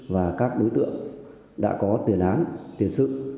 và các đối tượng đã có tiền án tiền sự